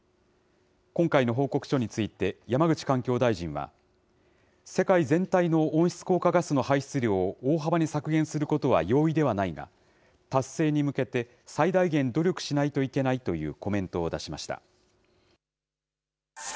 今回の報告書について、山口環境大臣は、世界全体の温室効果ガスの排出量を大幅に削減することは容易ではないが、達成に向けて最大限努力しないといけないというコメントを出しました。